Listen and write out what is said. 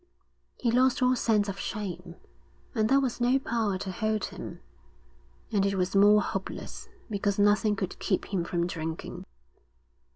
He lost all sense of shame, and there was no power to hold him. And it was more hopeless because nothing could keep him from drinking.